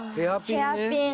ヘアピン。